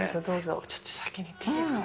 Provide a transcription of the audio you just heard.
ちょっと先にいっていいですか？